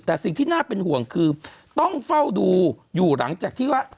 แต่สิ่งที่น่าเป็นห่วงคือต้องเฝ้าดูอยู่หลังจากที่ว่า